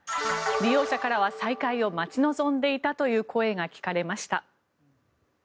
利用者からは再開を待ち望んでいたという声が聞かれました。